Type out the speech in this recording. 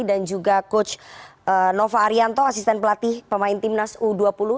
dan juga coach nova arianto asisten pelatih pemain timnas u dua puluh